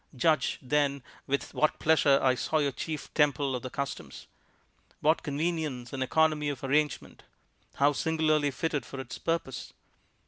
Judge, then, with what pleasure I saw your chief temple of the customs. What convenience and economy of arrangement! How singularly fitted for its purpose!